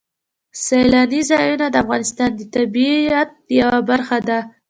سیلاني ځایونه د افغانستان د طبیعت یوه برخه ده.